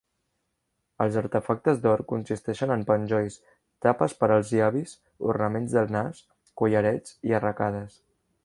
Els artefactes d'or consisteixen en penjolls, tapes per als llavis, ornaments del nas, collarets i arracades.